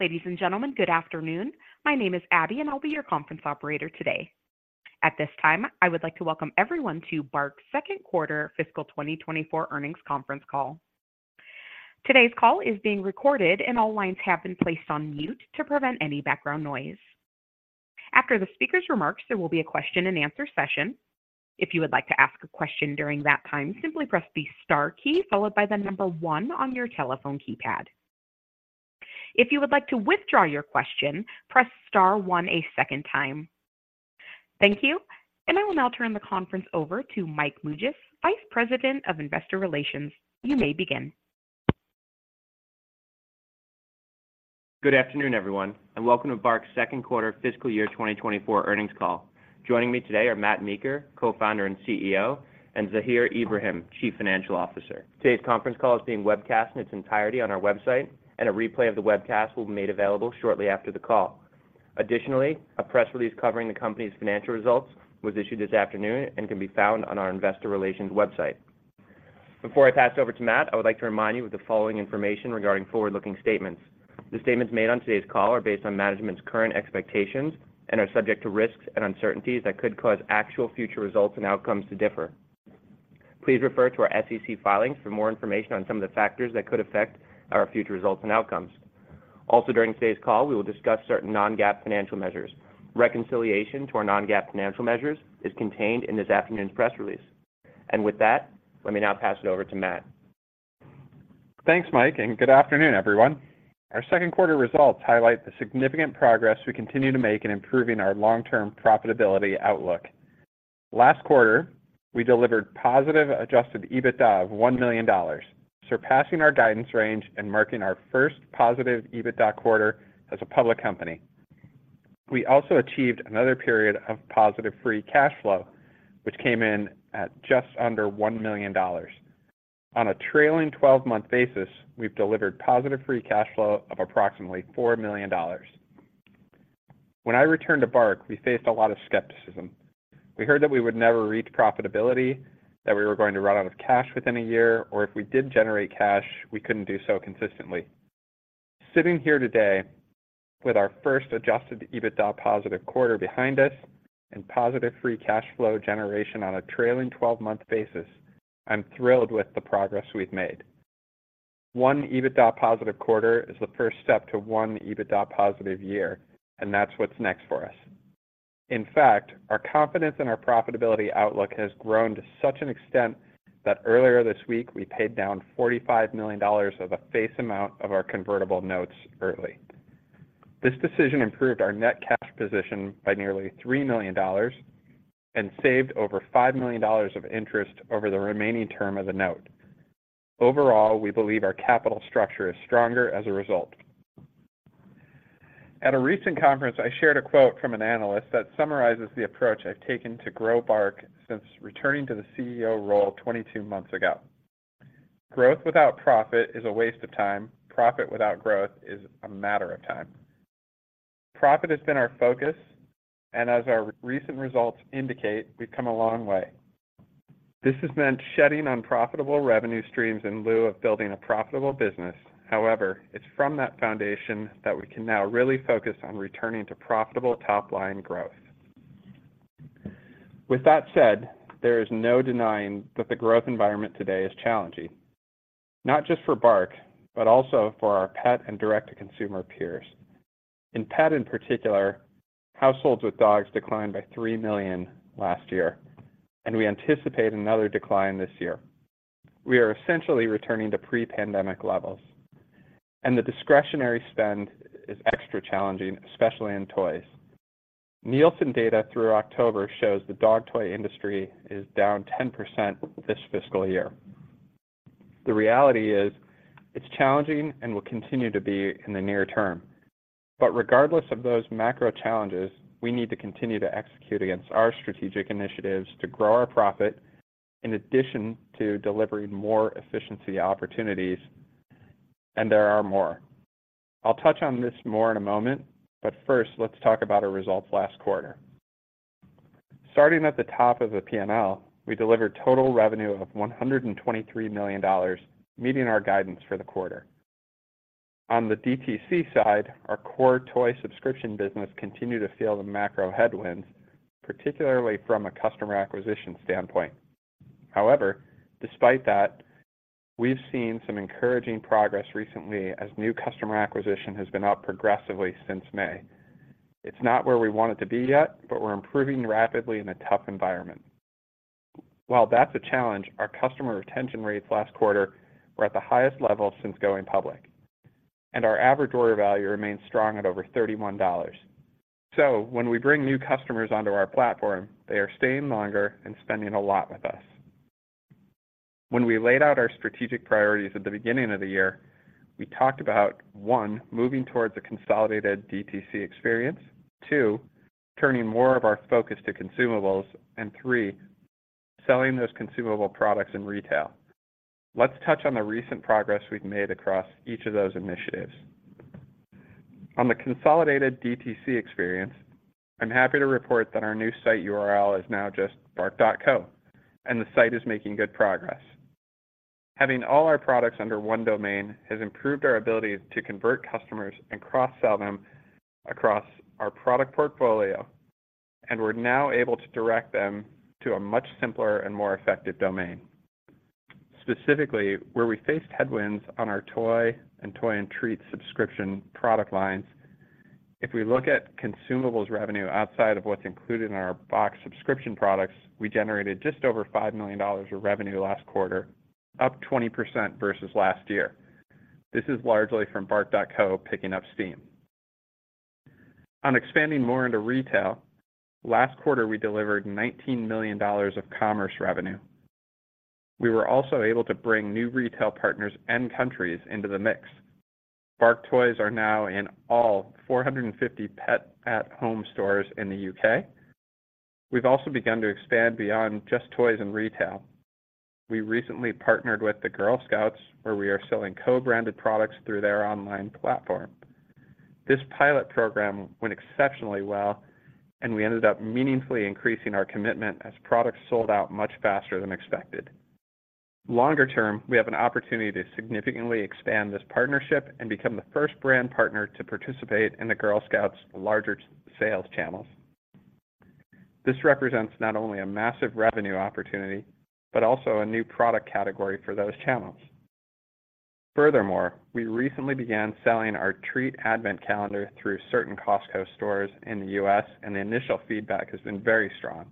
Ladies and gentlemen, good afternoon. My name is Abby, and I'll be your conference operator today. At this time, I would like to welcome everyone to BARK's Second Quarter Fiscal 2024 Earnings Conference Call. Today's call is being recorded, and all lines have been placed on mute to prevent any background noise. After the speaker's remarks, there will be a question-and-answer session. If you would like to ask a question during that time, simply press the star key followed by the number one on your telephone keypad. If you would like to withdraw your question, press star one a second time. Thank you, and I will now turn the conference over to Mike Mougias, Vice President of Investor Relations. You may begin. Good afternoon, everyone, and welcome to BARK's Second Quarter Fiscal Year 2024 Earnings Call. Joining me today are Matt Meeker, Co-founder and CEO, and Zahir Ibrahim, Chief Financial Officer. Today's conference call is being webcast in its entirety on our website, and a replay of the webcast will be made available shortly after the call. Additionally, a press release covering the company's financial results was issued this afternoon and can be found on our investor relations website. Before I pass it over to Matt, I would like to remind you of the following information regarding forward-looking statements. The statements made on today's call are based on management's current expectations and are subject to risks and uncertainties that could cause actual future results and outcomes to differ. Please refer to our SEC filings for more information on some of the factors that could affect our future results and outcomes. Also, during today's call, we will discuss certain non-GAAP financial measures. Reconciliation to our non-GAAP financial measures is contained in this afternoon's press release. With that, let me now pass it over to Matt. Thanks, Mike, and good afternoon, everyone. Our second quarter results highlight the significant progress we continue to make in improving our long-term profitability outlook. Last quarter, we delivered positive Adjusted EBITDA of $1 million, surpassing our guidance range and marking our first positive EBITDA quarter as a public company. We also achieved another period of positive free cash flow, which came in at just under $1 million. On a trailing 12-month basis, we've delivered positive free cash flow of approximately $4 million. When I returned to BARK, we faced a lot of skepticism. We heard that we would never reach profitability, that we were going to run out of cash within a year, or if we did generate cash, we couldn't do so consistently. Sitting here today with our first Adjusted EBITDA positive quarter behind us and positive free cash flow generation on a trailing twelve-month basis, I'm thrilled with the progress we've made. One EBITDA positive quarter is the first step to one EBITDA positive year, and that's what's next for us. In fact, our confidence in our profitability outlook has grown to such an extent that earlier this week, we paid down $45 million of the face amount of our convertible notes early. This decision improved our net cash position by nearly $3 million and saved over $5 million of interest over the remaining term of the note. Overall, we believe our capital structure is stronger as a result. At a recent conference, I shared a quote from an analyst that summarizes the approach I've taken to grow BARK since returning to the CEO role 22 months ago. Growth without profit is a waste of time. Profit without growth is a matter of time." Profit has been our focus, and as our recent results indicate, we've come a long way. This has meant shedding unprofitable revenue streams in lieu of building a profitable business. However, it's from that foundation that we can now really focus on returning to profitable top-line growth. With that said, there is no denying that the growth environment today is challenging, not just for BARK, but also for our pet and direct-to-consumer peers. In pet, in particular, households with dogs declined by three million last year, and we anticipate another decline this year. We are essentially returning to pre-pandemic levels, and the discretionary spend is extra challenging, especially in toys. Nielsen data through October shows the dog toy industry is down 10% this fiscal year. The reality is it's challenging and will continue to be in the near term. But regardless of those macro challenges, we need to continue to execute against our strategic initiatives to grow our profit in addition to delivering more efficiency opportunities, and there are more. I'll touch on this more in a moment, but first, let's talk about our results last quarter. Starting at the top of the P&L, we delivered total revenue of $123 million, meeting our guidance for the quarter. On the DTC side, our core toy subscription business continued to feel the macro headwinds, particularly from a customer acquisition standpoint. However, despite that, we've seen some encouraging progress recently as new customer acquisition has been up progressively since May. It's not where we want it to be yet, but we're improving rapidly in a tough environment. While that's a challenge, our customer retention rates last quarter were at the highest level since going public, and our average order value remains strong at over $31. So when we bring new customers onto our platform, they are staying longer and spending a lot with us. When we laid out our strategic priorities at the beginning of the year, we talked about, one, moving towards a consolidated DTC experience, two, turning more of our focus to consumables, and three, selling those consumable products in retail. Let's touch on the recent progress we've made across each of those initiatives. On the consolidated DTC experience, I'm happy to report that our new site URL is now just bark.co, and the site is making good progress. Having all our products under one domain has improved our ability to convert customers and cross-sell them across our product portfolio, and we're now able to direct them to a much simpler and more effective domain. Specifically, where we faced headwinds on our toy and treat subscription product lines, if we look at consumables revenue outside of what's included in our box subscription products, we generated just over $5 million of revenue last quarter, up 20% versus last year. This is largely from bark.co picking up steam. On expanding more into retail, last quarter, we delivered $19 million of commerce revenue. We were also able to bring new retail partners and countries into the mix. BARK toys are now in all 450 Pets at Home stores in the U.K. We've also begun to expand beyond just toys and retail. We recently partnered with the Girl Scouts, where we are selling co-branded products through their online platform. This pilot program went exceptionally well, and we ended up meaningfully increasing our commitment as products sold out much faster than expected. Longer term, we have an opportunity to significantly expand this partnership and become the first brand partner to participate in the Girl Scouts' larger sales channels. This represents not only a massive revenue opportunity, but also a new product category for those channels. Furthermore, we recently began selling our treat advent calendar through certain Costco stores in the U.S., and the initial feedback has been very strong.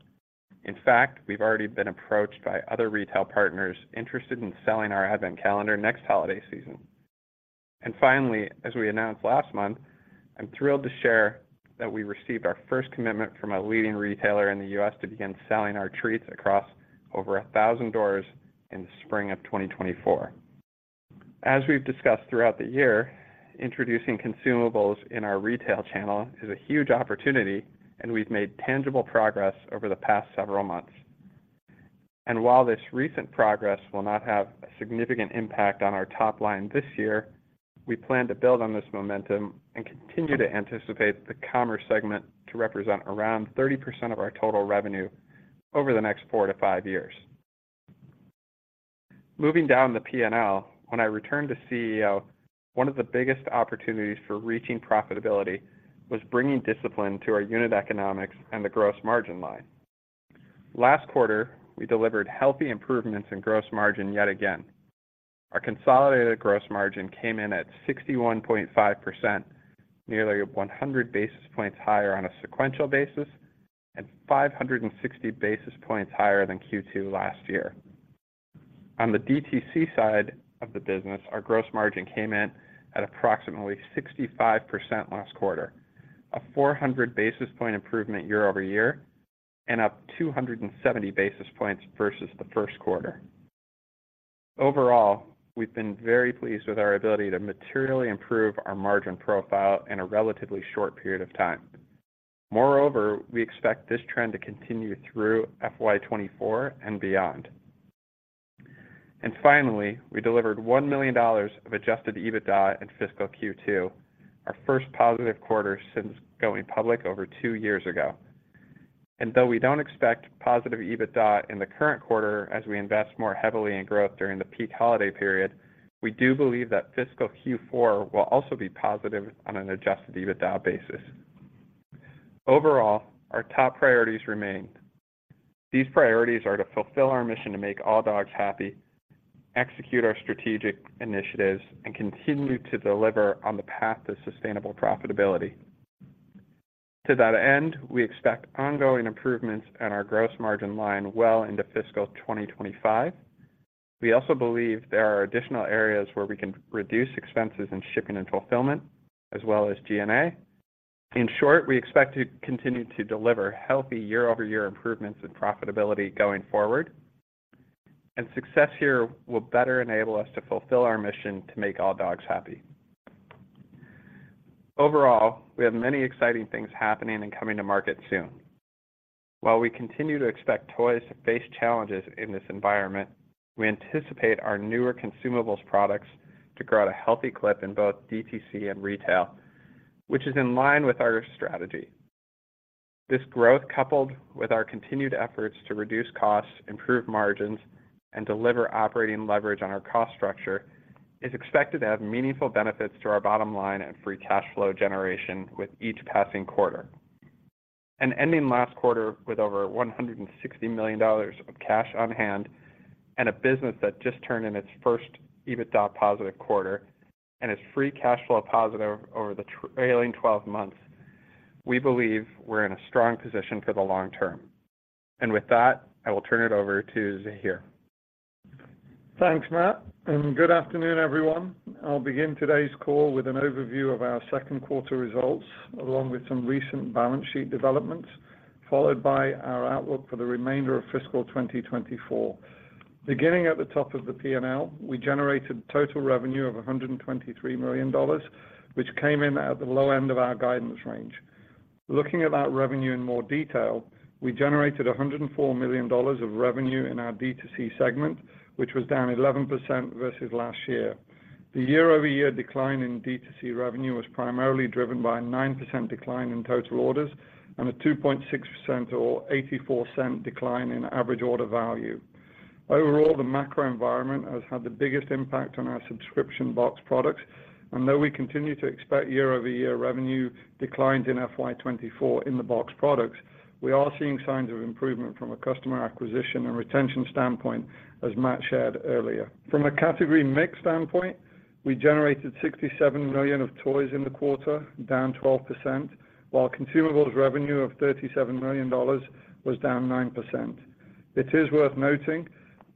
In fact, we've already been approached by other retail partners interested in selling our advent calendar next holiday season. Finally, as we announced last month, I'm thrilled to share that we received our first commitment from a leading retailer in the U.S. to begin selling our treats across over 1,000 doors in the spring of 2024. As we've discussed throughout the year, introducing consumables in our retail channel is a huge opportunity, and we've made tangible progress over the past several months. And while this recent progress will not have a significant impact on our top line this year, we plan to build on this momentum and continue to anticipate the commerce segment to represent around 30% of our total revenue over the next four to five years. Moving down the P&L, when I returned to CEO, one of the biggest opportunities for reaching profitability was bringing discipline to our unit economics and the gross margin line. Last quarter, we delivered healthy improvements in gross margin yet again. Our consolidated gross margin came in at 61.5%, nearly 100 basis points higher on a sequential basis and 560 basis points higher than Q2 last year. On the DTC side of the business, our gross margin came in at approximately 65% last quarter, a 400 basis point improvement year over year and up 270 basis points versus the first quarter. Overall, we've been very pleased with our ability to materially improve our margin profile in a relatively short period of time. Moreover, we expect this trend to continue through FY 2024 and beyond. And finally, we delivered $1 million of Adjusted EBITDA in fiscal Q2, our first positive quarter since going public over two years ago. Though we don't expect positive EBITDA in the current quarter as we invest more heavily in growth during the peak holiday period, we do believe that fiscal Q4 will also be positive on an Adjusted EBITDA basis. Overall, our top priorities remain. These priorities are to fulfill our mission to make all dogs happy, execute our strategic initiatives, and continue to deliver on the path to sustainable profitability. To that end, we expect ongoing improvements in our gross margin line well into fiscal 2025. We also believe there are additional areas where we can reduce expenses in shipping and fulfillment, as well as G&A. In short, we expect to continue to deliver healthy year-over-year improvements in profitability going forward, and success here will better enable us to fulfill our mission to make all dogs happy. Overall, we have many exciting things happening and coming to market soon. While we continue to expect toys to face challenges in this environment, we anticipate our newer consumables products to grow at a healthy clip in both DTC and retail, which is in line with our strategy. This growth, coupled with our continued efforts to reduce costs, improve margins, and deliver operating leverage on our cost structure, is expected to add meaningful benefits to our bottom line and free cash flow generation with each passing quarter. Ending last quarter with over $160 million of cash on hand and a business that just turned in its first EBITDA-positive quarter and is free cash flow positive over the trailing twelve months, we believe we're in a strong position for the long term. With that, I will turn it over to Zahir. Thanks, Matt, and good afternoon, everyone. I'll begin today's call with an overview of our second quarter results, along with some recent balance sheet developments, followed by our outlook for the remainder of fiscal 2024. Beginning at the top of the P&L, we generated total revenue of $123 million, which came in at the low end of our guidance range. Looking at that revenue in more detail, we generated $104 million of revenue in our DTC segment, which was down 11% versus last year. The year-over-year decline in DTC revenue was primarily driven by a 9% decline in total orders and a 2.6%, or $0.84 decline in average order value....Overall, the macro environment has had the biggest impact on our subscription box products. Though we continue to expect year-over-year revenue declines in FY 2024 in the box products, we are seeing signs of improvement from a customer acquisition and retention standpoint, as Matt shared earlier. From a category mix standpoint, we generated $67 million of toys in the quarter, down 12%, while consumables revenue of $37 million was down 9%. It is worth noting,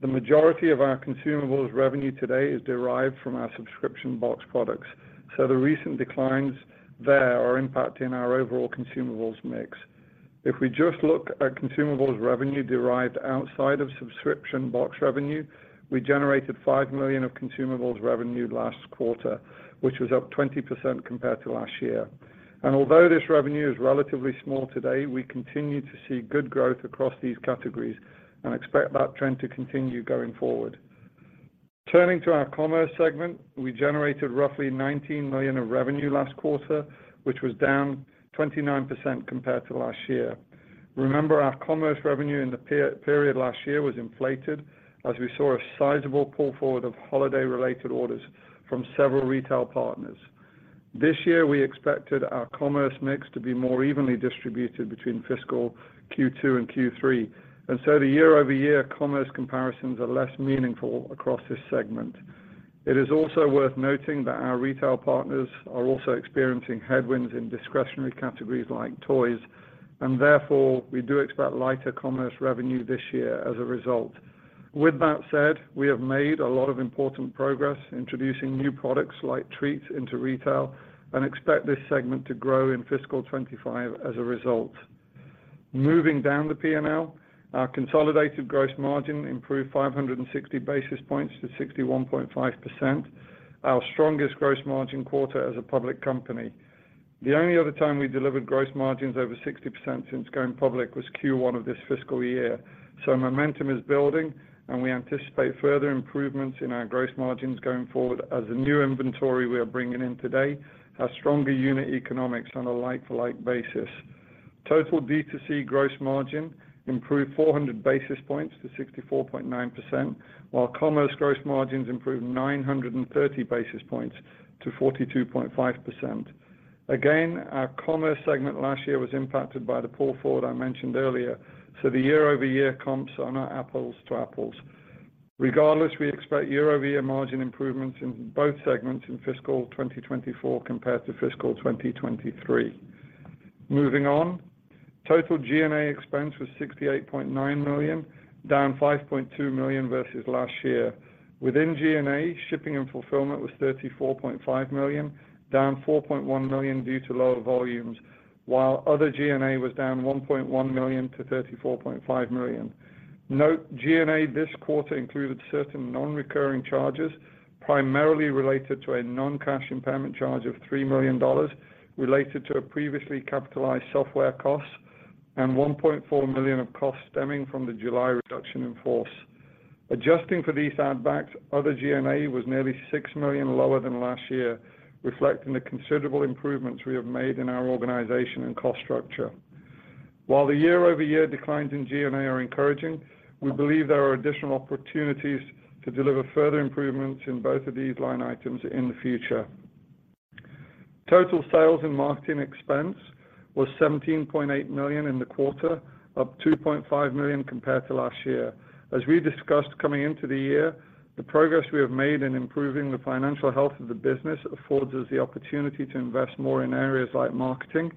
the majority of our consumables revenue today is derived from our subscription box products, so the recent declines there are impacting our overall consumables mix. If we just look at consumables revenue derived outside of subscription box revenue, we generated $5 million of consumables revenue last quarter, which was up 20% compared to last year. And although this revenue is relatively small today, we continue to see good growth across these categories and expect that trend to continue going forward. Turning to our commerce segment, we generated roughly $19 million of revenue last quarter, which was down 29% compared to last year. Remember, our commerce revenue in the prior period last year was inflated, as we saw a sizable pull forward of holiday-related orders from several retail partners. This year, we expected our commerce mix to be more evenly distributed between fiscal Q2 and Q3, and so the year-over-year commerce comparisons are less meaningful across this segment. It is also worth noting that our retail partners are also experiencing headwinds in discretionary categories like toys, and therefore, we do expect lighter commerce revenue this year as a result. With that said, we have made a lot of important progress introducing new products like treats into retail and expect this segment to grow in fiscal 2025 as a result. Moving down the P&L, our consolidated gross margin improved 500 basis points to 61.5%. Our strongest gross margin quarter as a public company. The only other time we delivered gross margins over 60% since going public was Q1 of this fiscal year. So momentum is building, and we anticipate further improvements in our gross margins going forward as the new inventory we are bringing in today has stronger unit economics on a like-for-like basis. Total D2C gross margin improved 400 basis points to 64.9%, while commerce gross margins improved 930 basis points to 42.5%. Again, our commerce segment last year was impacted by the pull forward I mentioned earlier, so the year-over-year comps are not apples to apples. Regardless, we expect year-over-year margin improvements in both segments in fiscal 2024 compared to fiscal 2023. Moving on, total G&A expense was $68.9 million, down $5.2 million versus last year. Within G&A, shipping and fulfillment was $34.5 million, down $4.1 million due to lower volumes, while other G&A was down $1.1 million-$34.5 million. Note, G&A this quarter included certain non-recurring charges, primarily related to a non-cash impairment charge of $3 million, related to a previously capitalized software cost and $1.4 million of costs stemming from the July reduction in force. Adjusting for these add backs, other G&A was nearly $6 million lower than last year, reflecting the considerable improvements we have made in our organization and cost structure. While the year-over-year declines in G&A are encouraging, we believe there are additional opportunities to deliver further improvements in both of these line items in the future. Total sales and marketing expense was $17.8 million in the quarter, up $2.5 million compared to last year. As we discussed coming into the year, the progress we have made in improving the financial health of the business affords us the opportunity to invest more in areas like marketing,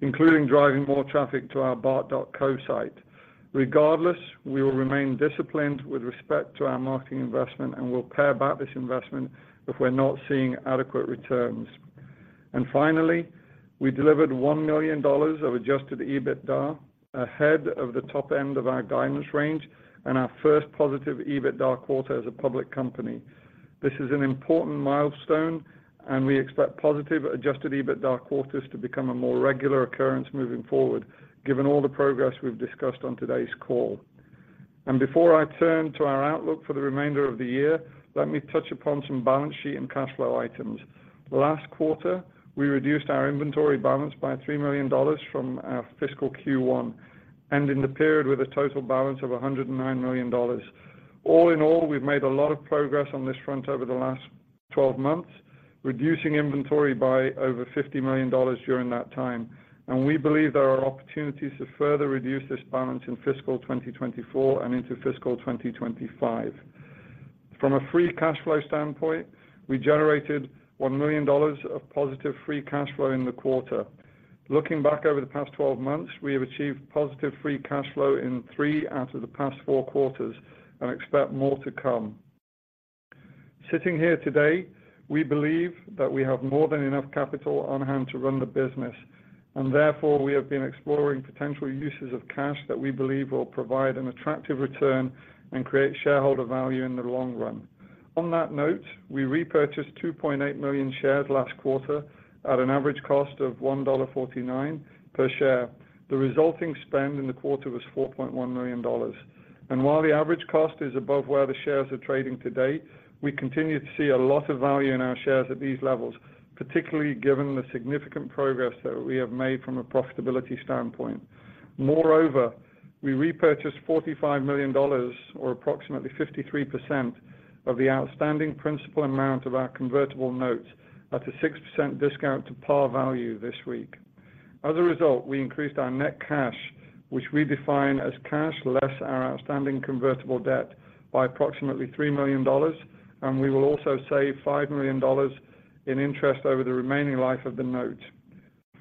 including driving more traffic to our bark.co site. Regardless, we will remain disciplined with respect to our marketing investment, and we'll pare back this investment if we're not seeing adequate returns. Finally, we delivered $1 million of Adjusted EBITDA ahead of the top end of our guidance range and our first positive EBITDA quarter as a public company. This is an important milestone, and we expect positive Adjusted EBITDA quarters to become a more regular occurrence moving forward, given all the progress we've discussed on today's call. Before I turn to our outlook for the remainder of the year, let me touch upon some balance sheet and cash flow items. Last quarter, we reduced our inventory balance by $3 million from our fiscal Q1, ending the period with a total balance of $109 million. All in all, we've made a lot of progress on this front over the last 12 months, reducing inventory by over $50 million during that time. We believe there are opportunities to further reduce this balance in fiscal 2024 and into fiscal 2025. From a free cash flow standpoint, we generated $1 million of positive free cash flow in the quarter. Looking back over the past 12 months, we have achieved positive free cash flow in three out of the past four quarters and expect more to come. Sitting here today, we believe that we have more than enough capital on hand to run the business, and therefore, we have been exploring potential uses of cash that we believe will provide an attractive return and create shareholder value in the long run. On that note, we repurchased 2.8 million shares last quarter at an average cost of $1.49 per share. The resulting spend in the quarter was $4.1 million. And while the average cost is above where the shares are trading to date, we continue to see a lot of value in our shares at these levels, particularly given the significant progress that we have made from a profitability standpoint.... Moreover, we repurchased $45 million or approximately 53% of the outstanding principal amount of our convertible notes at a 6% discount to par value this week. As a result, we increased our net cash, which we define as cash less our outstanding convertible debt, by approximately $3 million, and we will also save $5 million in interest over the remaining life of the note.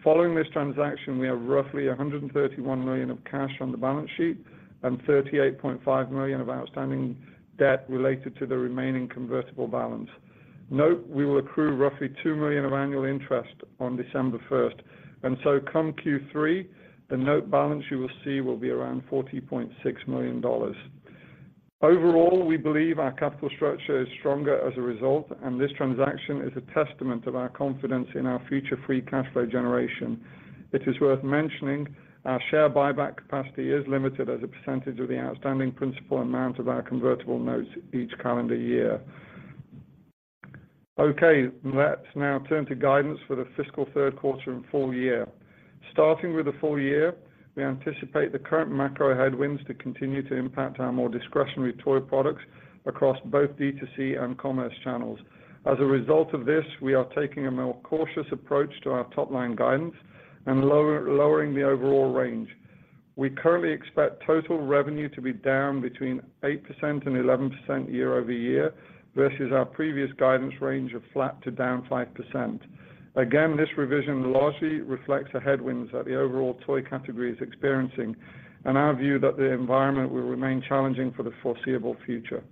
Following this transaction, we have roughly $131 million of cash on the balance sheet and $38.5 million of outstanding debt related to the remaining convertible balance. Note, we will accrue roughly $2 million of annual interest on December first, and so come Q3, the note balance you will see will be around $40.6 million. Overall, we believe our capital structure is stronger as a result, and this transaction is a testament of our confidence in our future free cash flow generation. It is worth mentioning, our share buyback capacity is limited as a percentage of the outstanding principal amount of our convertible notes each calendar year. Okay, let's now turn to guidance for the fiscal third quarter and full year. Starting with the full year, we anticipate the current macro headwinds to continue to impact our more discretionary toy products across both D2C and commerce channels. As a result of this, we are taking a more cautious approach to our top-line guidance and lowering the overall range. We currently expect total revenue to be down between 8% and 11% year-over-year, versus our previous guidance range of flat to down 5%. Again, this revision largely reflects the headwinds that the overall toy category is experiencing and our view that the environment will remain challenging for the foreseeable future.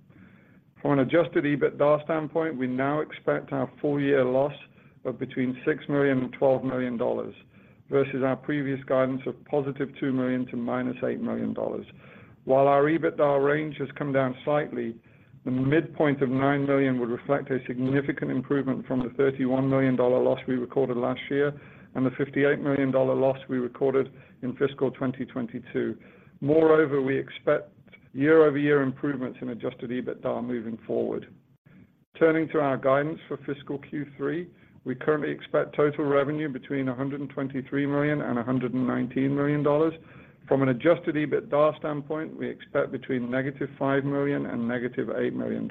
From an Adjusted EBITDA standpoint, we now expect our full year loss of between $6 million and $12 million, versus our previous guidance of $+2 million to $-8 million. While our EBITDA range has come down slightly, the midpoint of $9 million would reflect a significant improvement from the $31 million loss we recorded last year and the $58 million loss we recorded in fiscal 2022. Moreover, we expect year-over-year improvements in Adjusted EBITDA moving forward. Turning to our guidance for fiscal Q3, we currently expect total revenue between $123 million and $119 million. From an Adjusted EBITDA standpoint, we expect between $-5 million and $-8 million.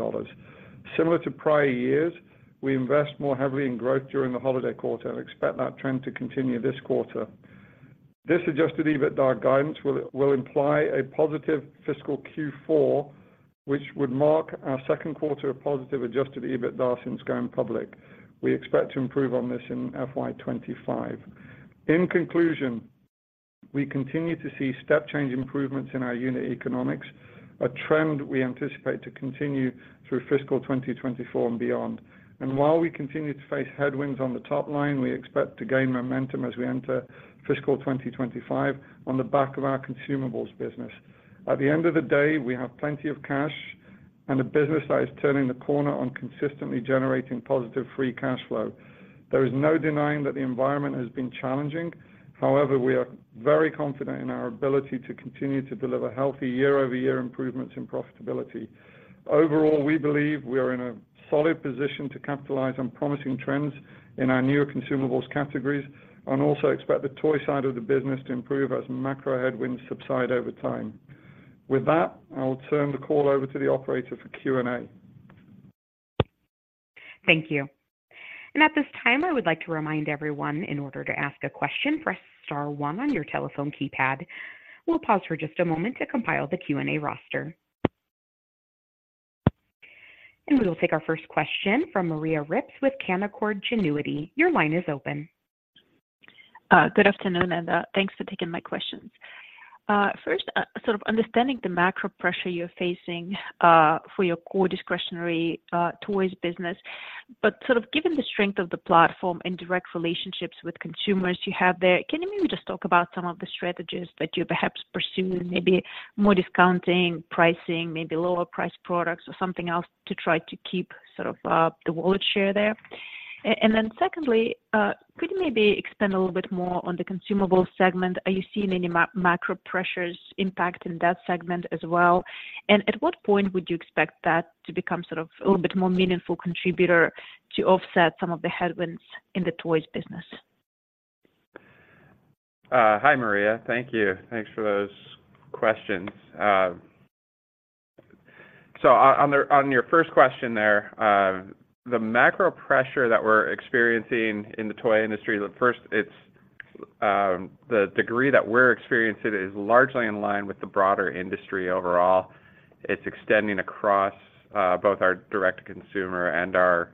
Similar to prior years, we invest more heavily in growth during the holiday quarter and expect that trend to continue this quarter. This Adjusted EBITDA guidance will imply a positive fiscal Q4, which would mark our second quarter of positive Adjusted EBITDA since going public. We expect to improve on this in FY 2025. In conclusion, we continue to see step change improvements in our unit economics, a trend we anticipate to continue through fiscal 2024 and beyond. And while we continue to face headwinds on the top line, we expect to gain momentum as we enter fiscal 2025 on the back of our consumables business. At the end of the day, we have plenty of cash and a business that is turning the corner on consistently generating positive free cash flow. There is no denying that the environment has been challenging. However, we are very confident in our ability to continue to deliver healthy year-over-year improvements in profitability. Overall, we believe we are in a solid position to capitalize on promising trends in our newer consumables categories and also expect the toy side of the business to improve as macro headwinds subside over time. With that, I will turn the call over to the operator for Q&A. Thank you. At this time, I would like to remind everyone, in order to ask a question, press star one on your telephone keypad. We'll pause for just a moment to compile the Q&A roster. We will take our first question from Maria Ripps with Canaccord Genuity. Your line is open. Good afternoon, and thanks for taking my questions. First, sort of understanding the macro pressure you're facing, for your core discretionary, toys business. But sort of given the strength of the platform and direct relationships with consumers you have there, can you maybe just talk about some of the strategies that you're perhaps pursuing, maybe more discounting, pricing, maybe lower priced products or something else to try to keep sort of, the wallet share there? And then secondly, could you maybe expand a little bit more on the consumables segment? Are you seeing any macro pressures impacting that segment as well? And at what point would you expect that to become sort of a little bit more meaningful contributor to offset some of the headwinds in the toys business? Hi, Maria. Thank you. Thanks for those questions. So on your first question there, the macro pressure that we're experiencing in the toy industry, first, it's the degree that we're experiencing is largely in line with the broader industry overall. It's extending across both our direct-to-consumer and our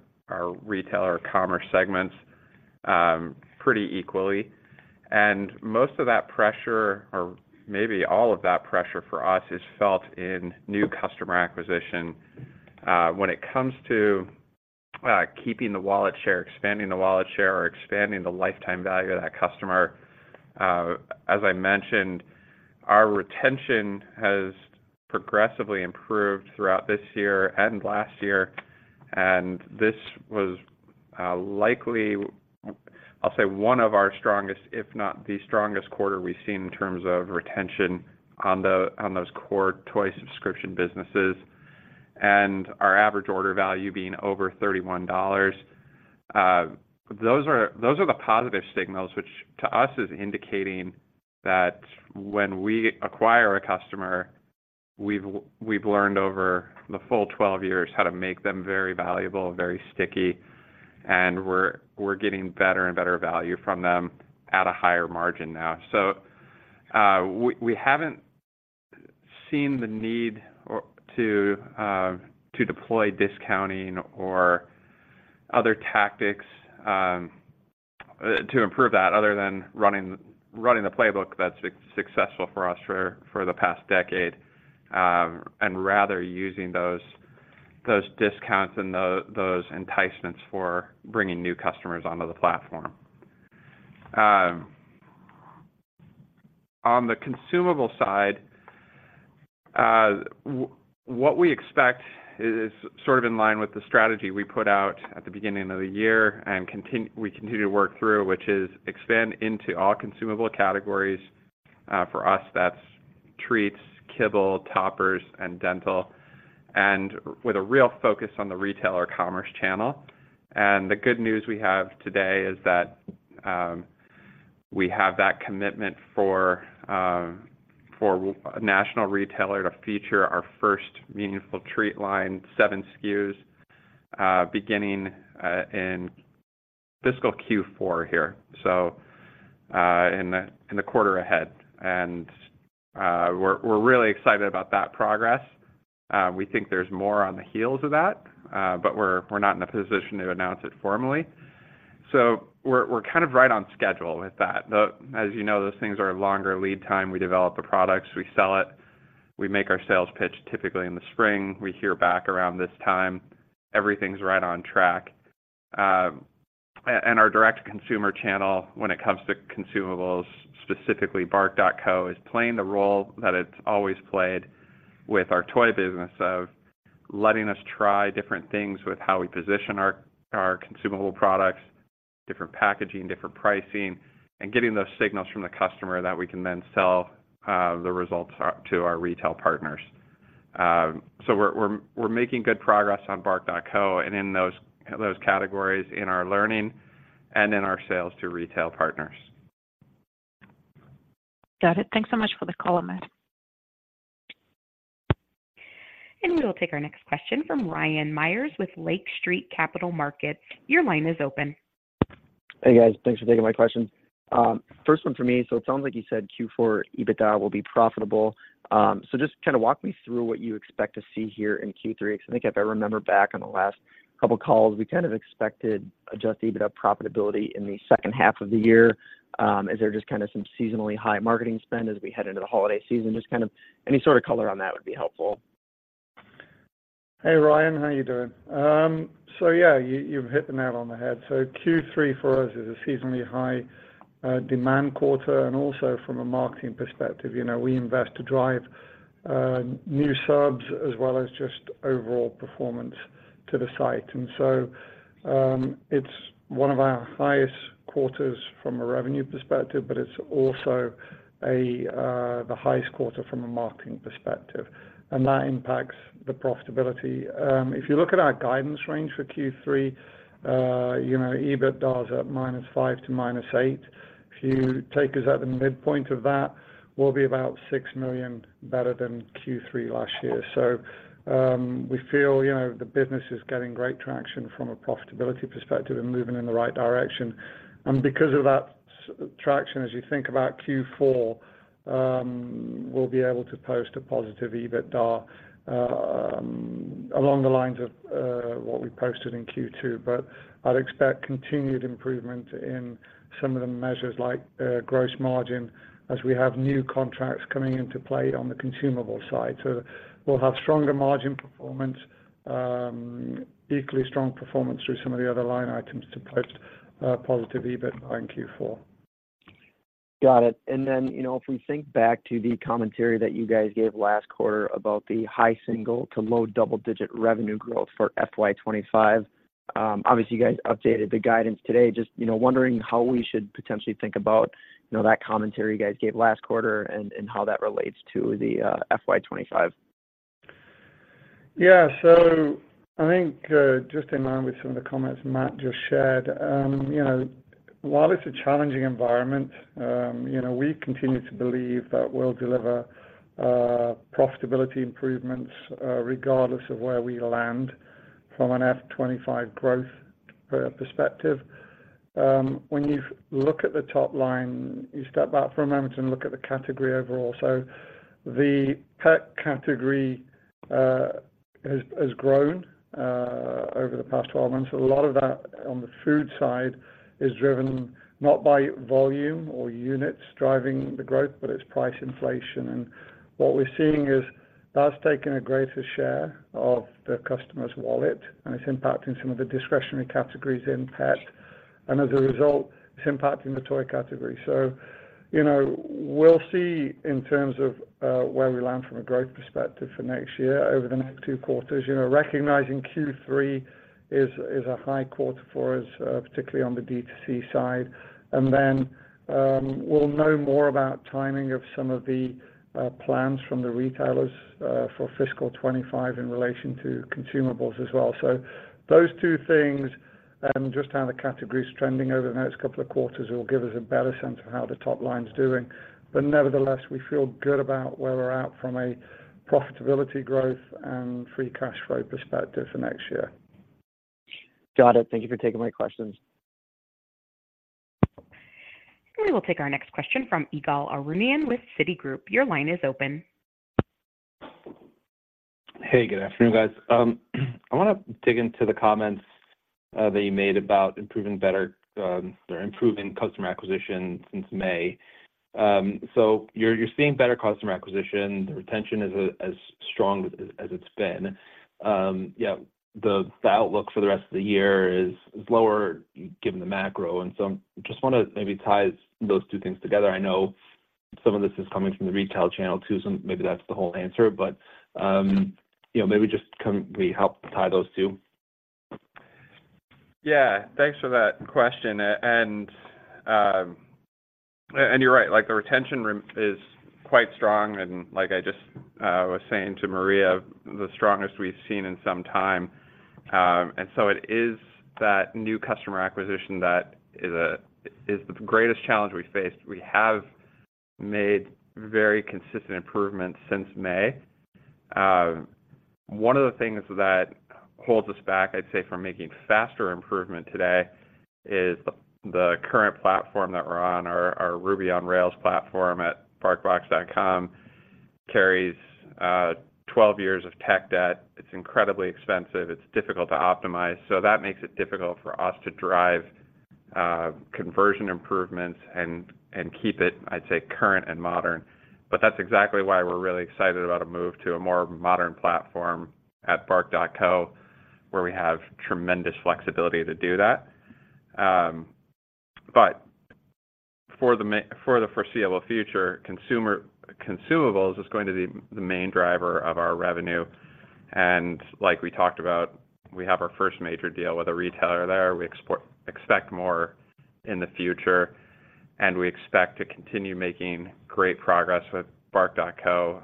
retailer commerce segments pretty equally. And most of that pressure, or maybe all of that pressure for us, is felt in new customer acquisition. When it comes to keeping the wallet share, expanding the wallet share, or expanding the lifetime value of that customer, as I mentioned, our retention has progressively improved throughout this year and last year, and this was likely, I'll say, one of our strongest, if not the strongest quarter we've seen in terms of retention on those core toy subscription businesses. and our average order value being over $31. Those are, those are the positive signals, which to us is indicating that when we acquire a customer, we've learned over the full 12 years how to make them very valuable, very sticky, and we're getting better and better value from them at a higher margin now. So, we haven't seen the need or to deploy discounting or other tactics to improve that other than running the playbook that's successful for us for the past decade, and rather using those discounts and those enticements for bringing new customers onto the platform. On the consumable side, what we expect is sort of in line with the strategy we put out at the beginning of the year, and we continue to work through, which is expand into all consumable categories. For us, that's treats, kibble, toppers, and dental, and with a real focus on the retailer commerce channel. The good news we have today is that we have that commitment for a national retailer to feature our first meaningful treat line, seven SKUs, beginning in fiscal Q4 here, so in the quarter ahead. We're really excited about that progress. We think there's more on the heels of that, but we're not in a position to announce it formally. So we're kind of right on schedule with that. As you know, those things are a longer lead time. We develop the products, we sell it, we make our sales pitch, typically in the spring. We hear back around this time. Everything's right on track. And our direct consumer channel, when it comes to consumables, specifically, bark.co, is playing the role that it's always played with our toy business of letting us try different things with how we position our consumable products, different packaging, different pricing, and getting those signals from the customer that we can then sell the results to our retail partners. So we're making good progress on bark.co and in those categories, in our learning and in our sales to retail partners. Got it. Thanks so much for the call, Matt. We will take our next question from Ryan Meyers with Lake Street Capital Markets. Your line is open. Hey, guys. Thanks for taking my questions. First one for me. So it sounds like you said Q4, EBITDA will be profitable. So just kinda walk me through what you expect to see here in Q3, because I think if I remember back on the last couple of calls, we kind of expected Adjusted EBITDA profitability in the second half of the year. Is there just kinda some seasonally high marketing spend as we head into the holiday season? Just kind of any sort of color on that would be helpful. Hey, Ryan, how you doing? So yeah, you've hit the nail on the head. So Q3 for us is a seasonally high demand quarter, and also from a marketing perspective. You know, we invest to drive new subs as well as just overall performance to the site. And so, it's one of our highest quarters from a revenue perspective, but it's also the highest quarter from a marketing perspective, and that impacts the profitability. If you look at our guidance range for Q3, you know, EBITDA is at $-5 million to $-8 million. If you take us at the midpoint of that, we'll be about $6 million better than Q3 last year. So, we feel, you know, the business is getting great traction from a profitability perspective and moving in the right direction. And because of that traction, as you think about Q4, we'll be able to post a positive EBITDA, along the lines of, what we posted in Q2. But I'd expect continued improvement in some of the measures like, gross margin, as we have new contracts coming into play on the consumable side. So we'll have stronger margin performance, equally strong performance through some of the other line items to post, positive EBITDA in Q4. Got it. Then, you know, if we think back to the commentary that you guys gave last quarter about the high single-digit to low double-digit revenue growth for FY 2025, obviously, you guys updated the guidance today. Just, you know, wondering how we should potentially think about, you know, that commentary you guys gave last quarter and how that relates to the FY 2025. Yeah. So I think, just in line with some of the comments Matt just shared, you know, while it's a challenging environment, you know, we continue to believe that we'll deliver, profitability improvements, regardless of where we land from an FY 2025 growth perspective. When you look at the top line, you step back for a moment and look at the category overall. So the pet category has grown over the past 12 months. A lot of that on the food side is driven not by volume or units driving the growth, but it's price inflation. And what we're seeing is that's taking a greater share of the customer's wallet, and it's impacting some of the discretionary categories in pet, and as a result, it's impacting the toy category. So, you know, we'll see in terms of where we land from a growth perspective for next year, over the next two quarters. You know, recognizing Q3 is a high quarter for us, particularly on the D2C side. And then, we'll know more about timing of some of the plans from the retailers for fiscal 2025 in relation to consumables as well. So those two things and just how the category is trending over the next couple of quarters will give us a better sense of how the top line is doing. But nevertheless, we feel good about where we're at from a profitability, growth, and free cash flow perspective for next year. Got it. Thank you for taking my questions. We will take our next question from Ygal Arounian with Citigroup. Your line is open. Hey, good afternoon, guys. I wanna dig into the comments that you made about improving better, or improving customer acquisition since May. So you're seeing better customer acquisition. The retention is as strong as it's been. Yeah, the outlook for the rest of the year is lower given the macro, and so I'm just wanna maybe tie those two things together. I know some of this is coming from the retail channel, too, so maybe that's the whole answer. But, you know, maybe just can we help tie those two? Yeah, thanks for that question. And you're right, like, the retention is quite strong, and like I just was saying to Maria, the strongest we've seen in some time. And so it is that new customer acquisition that is the greatest challenge we face. We have made very consistent improvements since May. One of the things that holds us back, I'd say, from making faster improvement today is the current platform that we're on, our Ruby on Rails platform at BarkBox.com, carries 12 years of tech debt. It's incredibly expensive, it's difficult to optimize. So that makes it difficult for us to drive conversion improvements and, and keep it, I'd say, current and modern. But that's exactly why we're really excited about a move to a more modern platform at bark.co, where we have tremendous flexibility to do that. But for the foreseeable future, consumables is going to be the main driver of our revenue. And like we talked about, we have our first major deal with a retailer there. We expect more in the future, and we expect to continue making great progress with bark.co.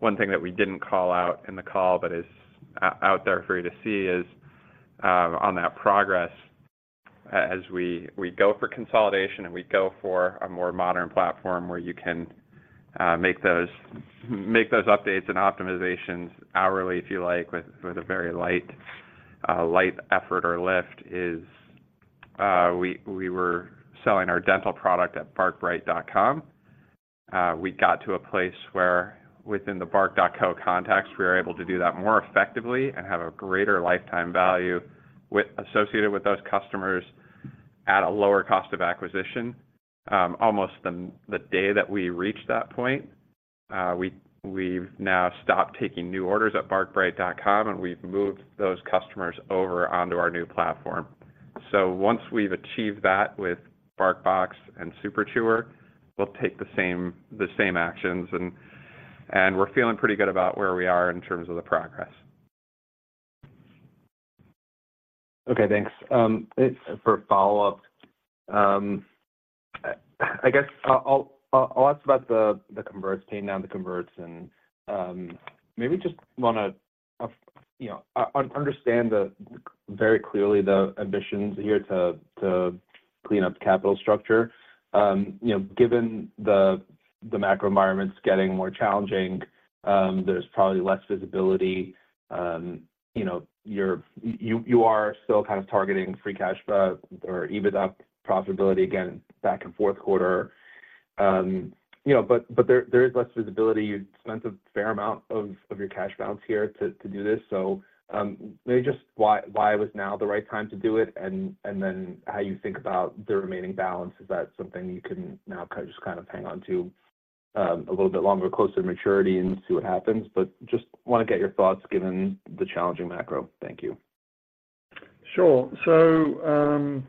One thing that we didn't call out in the call but is out there for you to see is, on that progress, as we go for consolidation, and we go for a more modern platform where you can make those updates and optimizations hourly, if you like, with a very light effort or lift is, we were selling our dental product at barkbright.com. We got to a place where within the bark.co context, we are able to do that more effectively and have a greater lifetime value associated with those customers at a lower cost of acquisition. Almost the day that we reached that point, we've now stopped taking new orders at barkbright.com, and we've moved those customers over onto our new platform. So once we've achieved that with BarkBox and Super Chewer, we'll take the same actions, and we're feeling pretty good about where we are in terms of the progress. Okay, thanks. For a follow-up, I guess I'll ask about the converts paying down the converts and maybe just wanna understand very clearly the ambitions here to clean up the capital structure. You know, given the macro environment is getting more challenging, there's probably less visibility. You know, you are still kind of targeting free cash flow or EBITDA profitability again back in fourth quarter. You know, but there is less visibility. You spent a fair amount of your cash balance here to do this. So, maybe just why was now the right time to do it? And then how you think about the remaining balance, is that something you can now kind of just kind of hang on to, a little bit longer, closer to maturity and see what happens? But just wanna get your thoughts given the challenging macro. Thank you. Sure. So,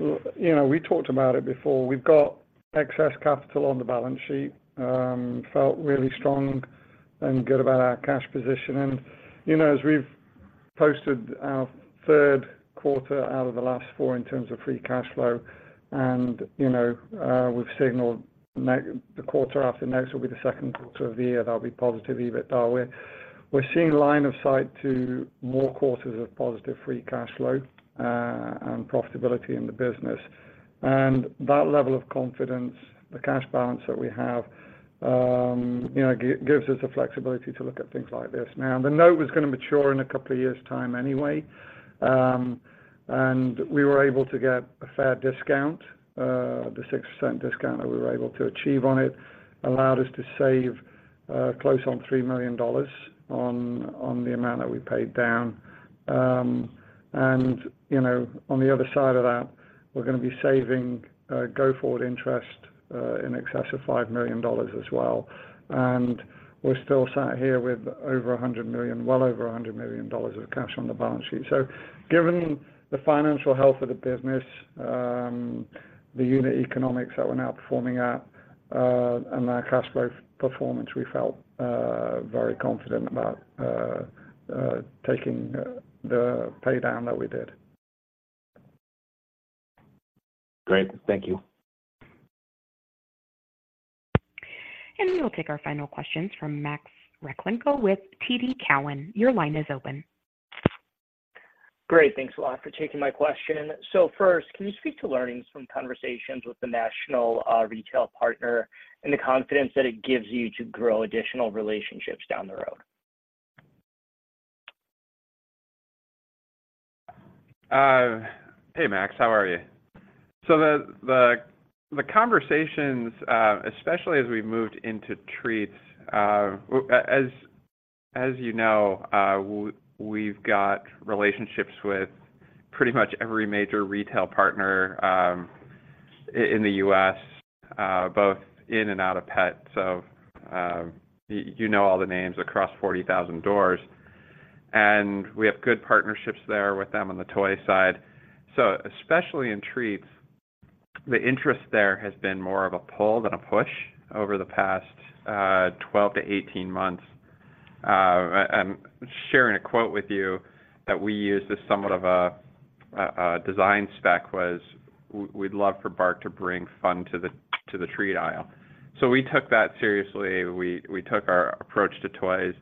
you know, we talked about it before. We've got excess capital on the balance sheet, felt really strong and good about our cash position. And, you know, as we've posted our third quarter out of the last four in terms of Free Cash Flow, and, you know, we've signaled the quarter after next will be the second quarter of the year, that'll be positive EBITDA, we're seeing line of sight to more quarters of positive Free Cash Flow, and profitability in the business. And that level of confidence, the cash balance that we have, you know, gives us the flexibility to look at things like this. Now, the note was gonna mature in a couple of years' time anyway, and we were able to get a fair discount. The 6% discount that we were able to achieve on it allowed us to save close on $3 million on the amount that we paid down. And you know, on the other side of that, we're gonna be saving go-forward interest in excess of $5 million as well. And we're still sat here with over $100 million, well over $100 million dollars of cash on the balance sheet. So given the financial health of the business, the unit economics that we're now performing at and our cash flow performance, we felt very confident about taking the pay down that we did. Great. Thank you. We will take our final questions from Max Rakhlenko with TD Cowen. Your line is open. Great. Thanks a lot for taking my question. So first, can you speak to learnings from conversations with the national retail partner and the confidence that it gives you to grow additional relationships down the road? Hey, Max, how are you? So the conversations, especially as we moved into treats, as you know, we've got relationships with pretty much every major retail partner, in the U.S., both in and out of pet. So, you know all the names across 40,000 doors, and we have good partnerships there with them on the toy side. So especially in treats, the interest there has been more of a pull than a push over the past, 12-18 months. I'm sharing a quote with you that we use as somewhat of a design spec, was, "We'd love for BARK to bring fun to the treat aisle." So we took that seriously. We took our approach to toys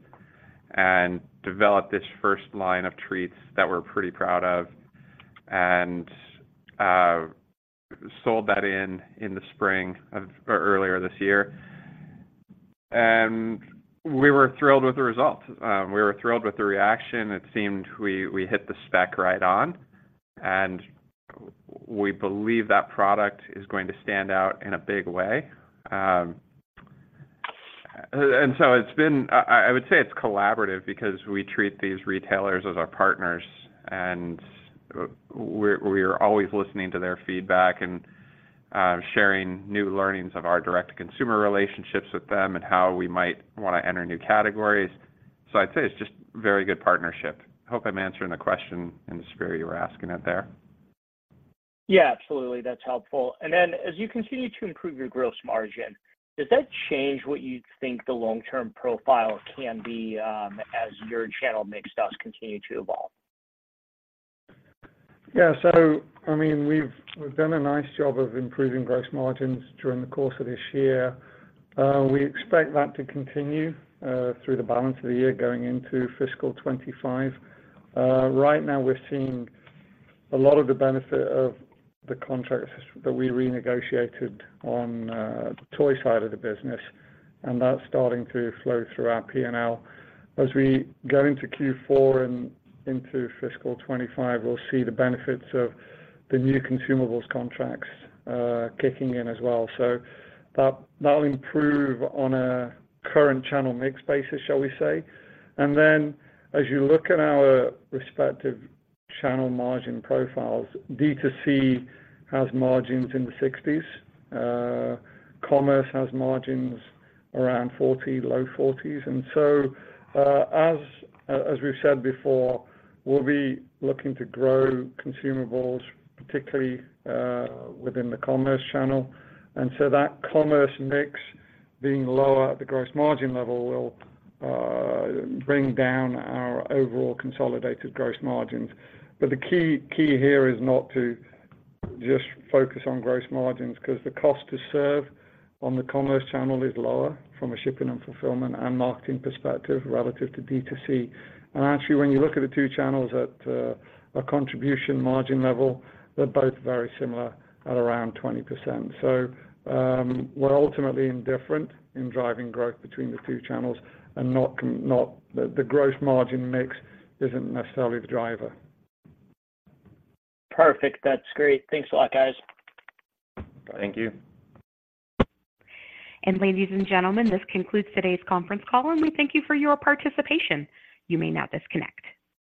and developed this first line of treats that we're pretty proud of, and sold that in the spring earlier this year. And we were thrilled with the result. We were thrilled with the reaction. It seemed we hit the spec right on, and we believe that product is going to stand out in a big way. I would say it's collaborative because we treat these retailers as our partners, and we are always listening to their feedback and sharing new learnings of our direct consumer relationships with them and how we might wanna enter new categories. So I'd say it's just very good partnership. Hope I'm answering the question in the spirit you were asking it there. Yeah, absolutely. That's helpful. And then, as you continue to improve your gross margin, does that change what you think the long-term profile can be, as your channel mix does continue to evolve? Yeah. So I mean, we've, we've done a nice job of improving gross margins during the course of this year. We expect that to continue through the balance of the year, going into fiscal 2025. Right now, we're seeing a lot of the benefit of the contracts that we renegotiated on the toy side of the business, and that's starting to flow through our P&L. As we go into Q4 and into fiscal 2025, we'll see the benefits of the new consumables contracts kicking in as well. So that, that'll improve on a current channel mix basis, shall we say? And then, as you look at our respective channel margin profiles, D2C has margins in the 60s. Commerce has margins around 40, low 40s. And so, as, as we've said before, we'll be looking to grow consumables, particularly, within the Commerce channel. And so that commerce mix being lower at the gross margin level, will bring down our overall consolidated gross margins. But the key here is not to just focus on gross margins, 'cause the cost to serve on the commerce channel is lower from a shipping and fulfillment and marketing perspective relative to D2C. And actually, when you look at the two channels at a contribution margin level, they're both very similar at around 20%. So, we're ultimately indifferent in driving growth between the two channels and not... The gross margin mix isn't necessarily the driver. Perfect. That's great. Thanks a lot, guys. Thank you. Ladies and gentlemen, this concludes today's conference call, and we thank you for your participation. You may now disconnect.